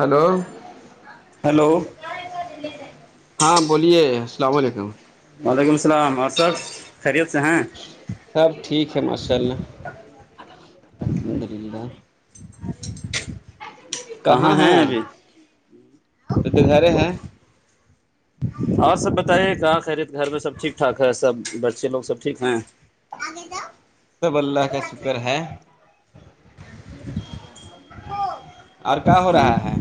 hello hello ار تھ [unintelligible] ہاں بولیے سلام علیکم وعلیکم السلام خیریت سے ہیں سب ٹھیک ہے ماشاء اللہ الحمد للہ کہاں ہے ہیں ابھی ا تو گھر ہے اور سب بتائیے کیا خیریت گھر میں سب ٹھیک ٹھاک ہے سب بچے لوگ سب ٹھیک ہیں سب اللہ کا شکر ہے اور کیا ہو رہا ہے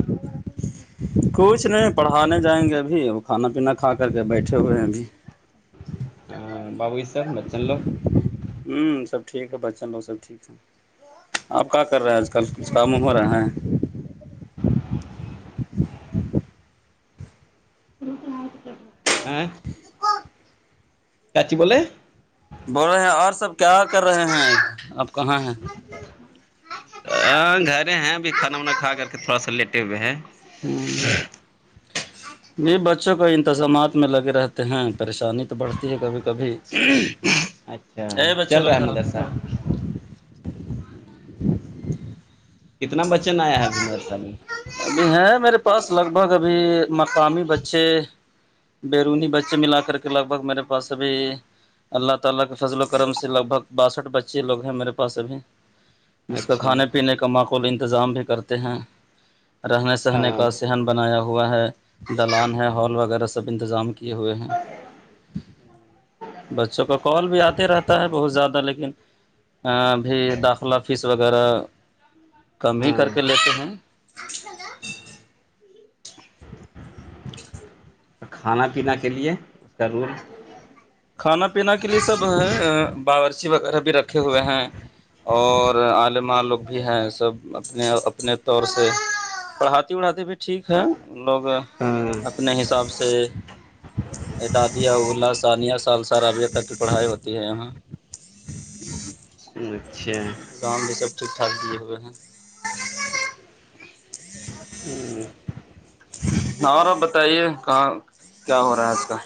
کچھ نہیں پڑھانے جائیں گے ابھی اور کھانا پینا کھا کر کے بیٹھے ہوئے ہیں بھی ہ بابو جاحب بچن لوگ ہوں سب ٹھیک ہے بچن لو سبٹھیک ہے آپ کیا کر رہے ہیں آج کل کچھ کام ہو رہا ہے ہ [inaudible] کاٹ بول بول رہے ہیں اور سب کیا کر رہے ہیں اب کہاں ہیں ہ گھر ہیں ابھی کھانا وانا کھا کر کے تھوڑا سا لیٹے ہوئے ہیں ہ یہ بچوں کا انتظامات میں لگ رہتا ہیں پریشانی تو بڑھتی ہے کبھی کبھی اچھا اے بچے چل لوگ رہا ہے ادھر ادھر مدرسہ کتنا بچن آیا ہے ابھی نرس میں ابھی ہے میرے پاس لگ بھگ ابھی مقامی بچے بیرونی بچے ملا کر کے لگ بھگ میرے پاس ابھی [unintelligible] جس کا اچھا کھانے پینے کا معقول انتظام بھی کرتے ہیں رہنے ہاں سہنے کا صہن بنایا ہوا ہے دلان ہے ہال وغیرہ سب انتظام کیے ہوئے ہیں بچوں کا کال بھی آتے رہتا ہے بہت زیادہ لیکن ب داخلہ فیس وغیرہ کم ہی ہاں کر کے لیتے ہیں کھانا پینا کے لیے اس کا رول کھانا پینا کے لیے سب باورچی وغیرہ بھی رکھے ہوئے ہیں اور عالماں لوگ بھی ہیں سب اپنے اپنے طور سے پڑھاتی وڑھاتی بھی ٹھیک ہے لوگ ہاں اپنے حساب سے ادادیہلہ ثانیہ سال سار ابھی تک کی پڑھائی ہوتی ہے یہاں اچھا کام بھی سب ٹھیک ھاک بھی ہوئے ہیں ہوں [inaudible] ہ آپ بتائیے کہاں کیا ہو رہا ہے آج کا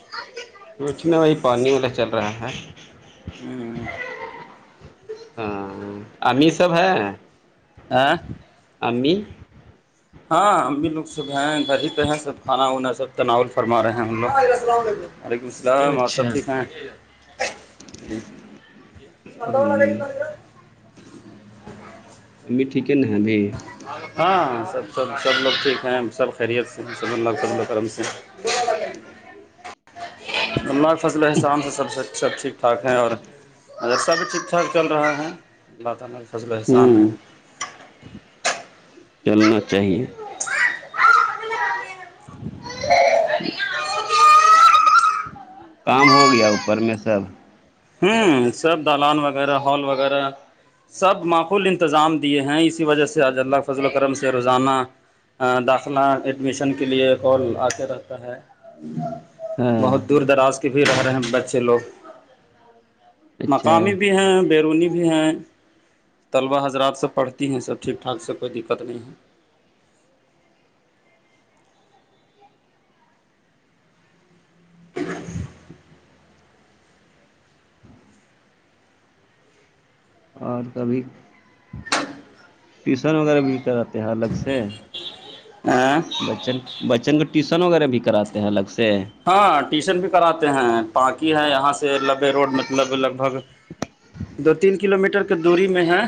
کچ میں وہی پانی واللا چل رہا ہے ہوں ہاں امی سب ہے آ [unintelligible] [inaudible] امی ہاں ا بھی لوگ سب ہیں گھر ہی پہ ہیں سب کھانا وانا سب تناول فرما رہے ہیں ہم لوگ وعلیکم السلام آپ سب اچھا ٹھیک ہیں ج سرداو ہوں والاگندا امی ٹھیک ہے نبھ ہاں سب سب سب لوگ ٹھیک ہیں سب خیریت سے ہیں سب س کرم سے بول ب [unintelligible] [inaudible] ہمملہ کی فصلیں احسان سے سب سے سب ٹھیک ٹھاک ہیں اور ا سب ٹھیک ٹھاک چل رہا ہے اللہ تعالص احسان ہے ہوں چلنا چاہیے [inaudible] کام ہو گیا اوپر میں سب ہوں سب دالان وغیرہ ہال وغیرہ [unintelligible] سب معقول انتظام دیے ہیں اسی وجہ سے حج اللہ فضل الکم سے روزانہ [unintelligible] داخلہ ایڈمیشن کے لیے کال آتے رہتا ہے ہاں بہت دور دراز کے بھی رہ رہے ہیں بچے لوگ اچھا مقامی بھی ہیں بیرونی بھی ہیں طلبہ حضرات سے پڑھتی ہیں سب ٹھیک ٹھاک سے کوئی دقت نہیں ہے [inaudible] اور کبھی ٹیوشن وغیرہ بھی کراتے ہیں الگ سے ہاں بچن بچن کو ٹیوشن وغیرہ بھی کراتے ہیں الگ سے ہاں ٹیوشن بھی کراتے ہیں پااکی ہے یہاں سے لبے روڈ مطلب لگ بھگ دو تین کلو میٹر کے دوری میں ہے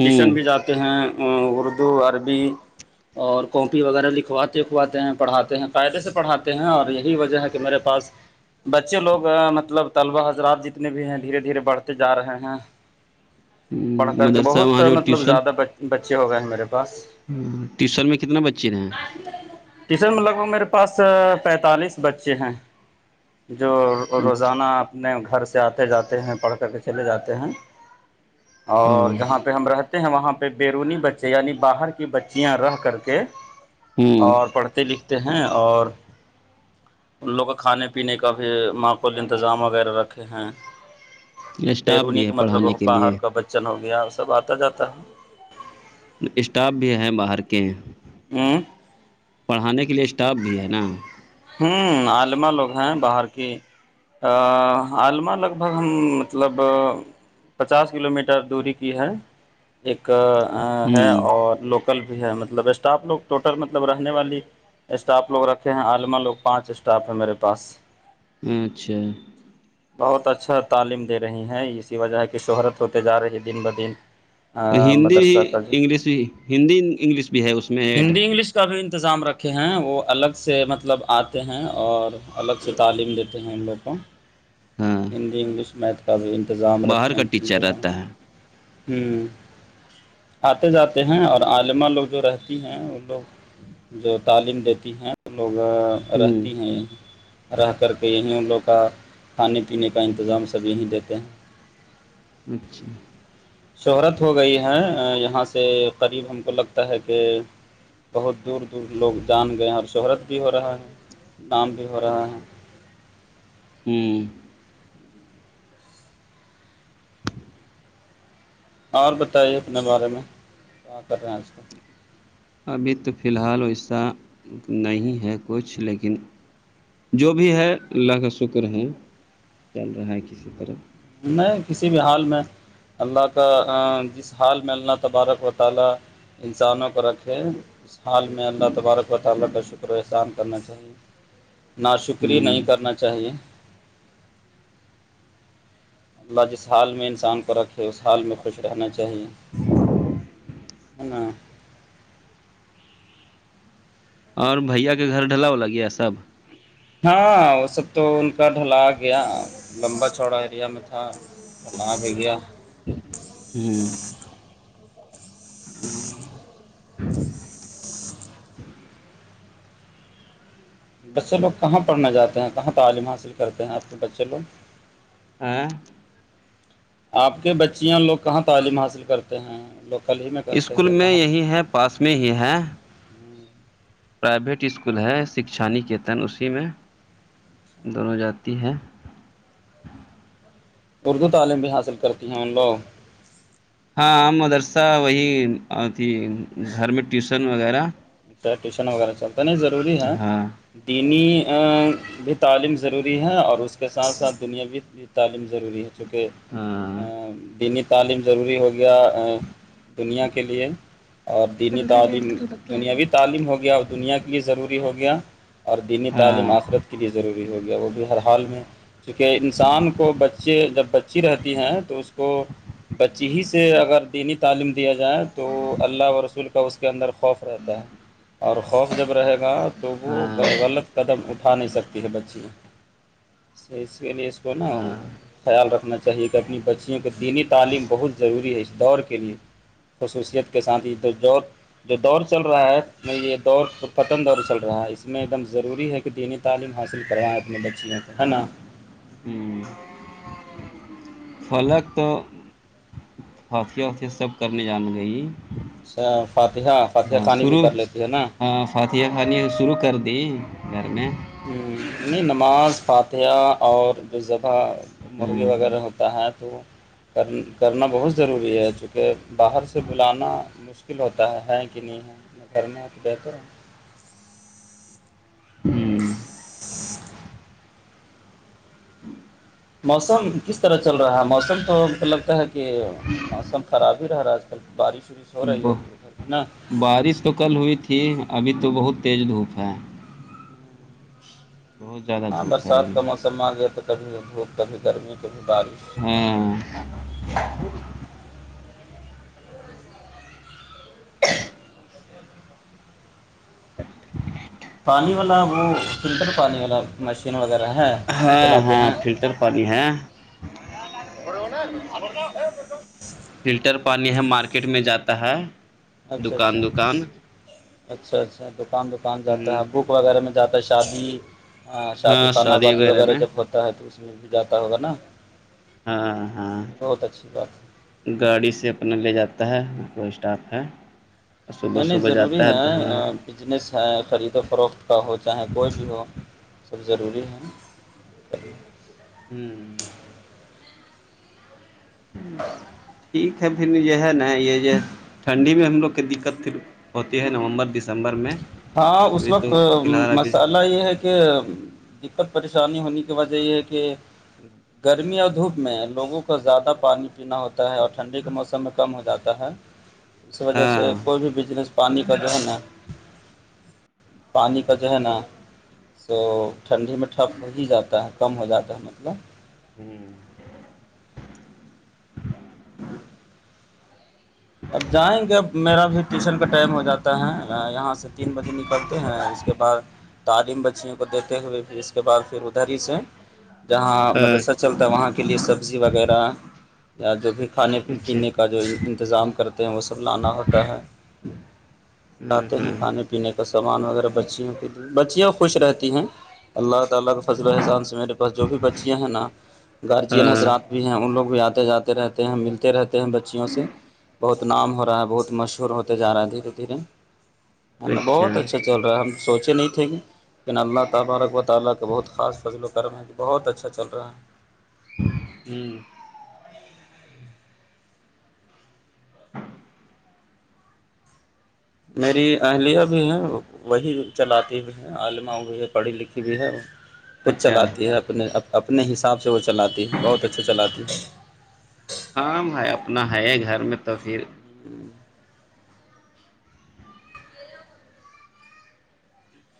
ٹیوشن بھی جاتے ہیں اردو عربی اور کاپی وغیرہ لکھواتے لکھواتے ہیں پڑھاتے ہیں قاعدے سے پڑھاتے ہیں اور یہی وجہ ہے کہ میرے پاس بچے لوگ مطلب طلبہ حضرات جتنے بھی ہیں دھیرے دھیرے بڑھتے جا رہے ہیں ج [unintelligible] بڑھ کر کے بہت مطلب زیادہ بچے ہو گئے ہیں میرے پاس ٹیوشن میں کتنا بچے رہ ٹیشن میں لگ بھگ میرے پاس پینتالیس بچے ہیں جو اچھا روزانہ اپنے گھر سے آتے جاتے ہیں پڑھ کر کے چلے جاتے ہیں ہاں اور جہاں پہ ہم رہتے ہیں وہاں پہ بیرونی بچے یعنی باہر کی بچیاں رہ کر کے ہوں اور پڑھتے لکھتے ہیں اور ان لوگوں کھانے پینے کا بھی معقول انتظام وغیرہ رکھے ہیں اسٹاف بیرونی بھی ہے کا مطلب پڑھانے کے باہر لیے کا بچن ہو گیا سب آتا جاتا ہے اسٹاف بھی ہیں باہر کے میںی [unintelligible] پڑھانے کے لیے اسٹاف بھی ہے نا ہوں عالما لوگ ہیں باہر کی علم لگ بھگ ہم مطلب پچاس کلو میٹر دوری کی ہے ایک ہے ہوں اور لوک بھی ہے مطلب اسٹاف لوگ ٹوٹل مطلب رہنے والی اسٹاف لوگ رکھے ہیں آلو ہمار لوگ پانچ اسٹاف ہیں میرے پاس اچھا بہت اچھا تعلیم دے رہی ہیں اسی وجہ کہ شہرت ہوتے جا رہی ہے دن بہ دن تو ہندی بھی مدرسہ کا جو انگلش بھی ہندی انگلش بھی ہے اس میں ایڈ ہندی انگلش کا بھی انتظام رکھے ہیں وہ الگ سے مطلب مطلب آتے ہیں اور الگ سے تعلیم دیتے ہیں ان لوگوں ہاں ہندی انگلش میتھ کا بھی انتظام باہر رکھیں کا کی ٹیچر ط رہتا ہے ہوں [unintelligible] آتے جاتے ہیں اور عاللما لوگ جو رہتی ہیں وہ لوگ جو تعلیم دیتی ہیں لوگ ہوں رہتی ہیں رہ کر کے یہیں ان لوگ کا کھانے پینے کا انتظام سب یہیں دیتے ہیں اچھا [unintelligible] شہرت ہو گئی ہے یہاں سے قریب ہم کو لگتا ہے کہ بہت دور دور لوگ جان گئے ہیں اور شہرت بھی ہو رہا ہے نام بھی ہو رہا ہے ہوں [unintelligible] اور بتائیے اپنے بارے میں کیا کر رہے ہیں آج کل ابھی تو فی الحال ویسا نہیں ہے کچھ لیکن جو بھی ہے اللہ کا شکر ہے چل رہا ہے کسی طرح نہیں کسی بھی حال میں اللہ کا جس حال میں اللہ تبارک و تعالی انسانوں کو رکھے حال میں اللہ تبارک و تعالی کا شکر احسان کرنا چاہیے نہا شکری نہیں ہوں کرنا چاہ چاہیے اللہ جس حال میں انسان کو رکھے اس حال میں خوش رہنا چاہیے [inaudible] اور بھیا کے گھر ڈھلا ہو ل گیا سب ہاں وہ سب تو ان کا ڈھلا گیا لمبا چوڑا ایریا میں تھا ہ ب گیا ہوں بچے لوگ کہاں پڑھنے جاتے ہیں کہاں تعلیم حاصل کرتے ہیں اپنے بچے لوگ [inaudible] آپ کے بچیاں لوگ کہاں تعلیم حاصل کرتے ہیں لوگ اسکول میں یہی ہے پاس میں ہی ہیں پرائیویٹ اسکول ہے شکھا نکیتن اسی میں دونوں جاتی ہیں اردو تعلیم بھی حاصل کرتی ہیں ان لوگ ہاں مدرسہ وہی آ تھی گھر میں ٹیوسن وغیرہ اچا ٹیوشن وغیرہ چلتا نہیں ضروری ہے ہاں دینی بھی تعلیم ضروری ہے اور اس کے ساتھ ساتھ دنیاوی تعلیم ضروری ہے چونکہ ہاں بینی تعلیم ضروری ہو گیا دنیا کے لیے اور دینی تعلیم دنیاوی تم ہو گیا اور دنیا کے لیے ضروری ہو گیا اور دینی تعلیم ہاں آخرت کے کے لیے ضروری ہو گیا وہ بھی ہر حال میں چونکہ انسان کو بچے جب بچی رہتی ہیں تو اس کو بچی ہی سے اگر دینی تعلیم دیا جائے تو اللہ و رسول کا اس کے اندر خوف رہتا ہے اور خوف جب رہے گا تو وہ ہاں غلط قدم اٹھا نہیں سکتی ہے بچی تو اس کے لیے اس کو نا ہاں خیال رکھنا چاہیے کہ اپنی بچیوں کو دینی تعلیم بہت ضروری ہے اس دوڑ کے لیے خصوصیت کے ساتھ ہی تو دور جو دور چل رہا ہے میں یہ دور تو ختم دور چل رہا ہے اس میں ایک دم ضروری ہے کہ دینی تعلیم حاصل کرائیں اپنے بچیاں ہے نا ہوں فلک تو پسیا وتیا سب کرنے جان گی اچھا فاتحہ فاتحہ خانی بھی کر لیتی ہے نا پاتیاں کھانانی شروع کر دی گھر میں یعنی نماز فاتحہ اور جوذبح ہاں مرغی وغیرہ ہوتا ہے تو کر کرنا بہت ضروری ہے چونکہ باہر سے بلانا مشکل ہوتا ہے ہے کہ نہیں [inaudible] موسم کس طرح چل رہا ہے موسم تو مطلب لگتا ہے کہ موسم خراب ہی رہا آج کل بارش وورش ہو رہی ہے ب ادھر میں نا بارش تو کل ہوئی تھی ابھی تو بہت تیز دھوپ ہے بہت زیادہ ہاں دھوپ ہے برسات کا موسم میں آ ابھی گیا تو کبھی دھوپ کبھی گرمی کبھی بارش ہاں [inaudible] پانی والا وہ فلٹر پانی والا مشین وغیرہ ہے وہی ہاں چلاتے ہاں ہیں فلٹر پانی ہے اچھا اچھا فلٹر پانی ہے مارکیٹ میں جاتا ہے اچھا اچھا دکان دکان اچھا اچھا دکان دکان پے کون ہ جاتا ہے آپکو وغیرہ میں جاتا ہے شادی ہاں شادی خانہبادی وغیرہ جب ہوتا ہے تو اس میں بھی جاتا ہوگا نا ہاں ہاں بہت اچھی بات ہے گاڑی سے اپنا لے جاتا ہے کوئی اسٹاف ہے صبح نہیں نہیں صبح ضروری جاتا ہے دھونا ہے بجنس ہے خرید و فروخت کا ہو چاہے کوئی بھی ہو سب ضروری ہیں ہاں ٹھیک ہے پھر یہ ہے نا یہ جو ٹھنڈی میں ہم لوگ دقت پھر ہوتی ہے نومبر دسمبر میں ہاں اس ابھی وقت تو فی الحال ابھی مسالہ یہ ہے کہ کہ دقت پریشانی ہونے کی وجہ یہ ہے کہ گرمی اور دھوپ میں لوگوں کو زیادہ پانی پینا ہوتا ہے اور ٹھنڈی کے موسم میں کم ہو جاتا ہے [inaudible] اس وجہ سے ہاں کوئی بھی بجنس پانی کا جو ہے نا پانی کا جو ہے نا سو ٹھنڈی میں ٹھپ ہو ہی جاتا ہے کم ہو جاتا ہے مطلب [inaudible] اب جائیں گے اب میرا بھی ٹیوشن کا ٹائم ہو جاتا ہے یہاں سے تین بجے نکلتے ہیں اس کے بعد تعلیم بچیوں کو دیتے ہوئے پھر اس کے بعد پھر ادھر ہی سے جہاں ہاں مدرسہ چلتا ہے وہاں کے لئے سبزی وغیرہ یا جو بھی کھانے اچھا پینے کا جو انتظام کرتے ہیں وہ سب لانا ہوتا ہے ہاں لاتے ہیں ہاں کھانے پینے کا سامان وغیرہ بچیوں کے بچیاں خوش رہتی ہیں اللہ تعالی کا فضل احسان ہے جو بھی بچیاں ہیں نا گارجین ہاں حضرات بھی ہیں ان لوگ بھی آتے جاتے رہتے ہیں ملتے رہتے ہیں بچیوں سے بہت نام ہو رہا ہے بہت مشہور ہوتے جا رہا ہے دھیرے دھیرے بہت اچھا اچھے چل رہا ہے ہم سوچے نہیں تھے کہ لیکن اللہ تعالی و برا تعالی کا بہت خاص فضل کر رہے ہیں بہت اچھا چل رہا ہے ہاں میری اہلیہ بھی ہے وہی چلاتی بھی عالمہ ہوئی ہے پڑھی لکھی بھی ہے خود اچھا چلاتی ہے اپنے اپنے حساب سے وہ چلاتی ہے بہت اچھا چلاتی ہے کام ہے اپنا ہے گھر میں تو پھر ہوں [unintelligible]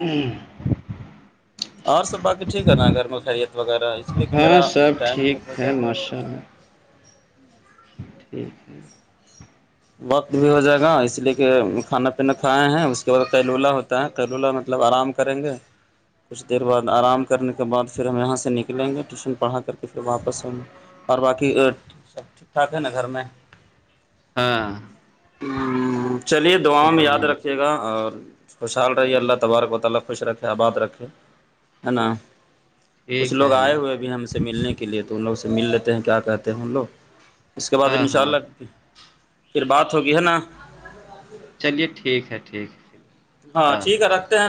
ہوں [unintelligible] اور سب باقی ٹھیک ہے نا گھر میں خیریت وغیرہ اس لیے کہ میرا ٹائم بھی ویرہ اچھ [unintelligible] ٹھیک ہے [unintelligible] وقت بھی ہو جائے گا اس لیے کہ کھانا پینا کھائے ہیں اس کے بعد کیلولا ہوتا ہے کیلولا مطلب آرام کریں گے کچھ دیر بعد آرام کرنے کے بعد پھر ہم یہاں سے نکلیں گے ٹیوشن پڑھا کر کے [unintelligible] تو پھر واپس ہوں اور باقی سب ٹھیک ٹھاک ہے نا گھر میں [unintelligible] ہاں [unintelligible] ہ چلیے دعاؤں سب میں یاد بڑھیا ہے رکھیے گا اور [unintelligible] [unintelligible] کچھ ٹھیک لوگ ہے آئے ہوئے حضرت بھی ہم سے ملنے کے لیے تو ان لوگ سے مل لیتے ہیں کیا کہتے ہیں ہم لوگ اس کے بعد ہاں ان شاء ہاں اللہ پھر بات ہوگی ہے نا چلیے ٹھیک ہے ٹھیک ہے ہاں اللہ ٹھیک حافظ ہے رکھتے ہیں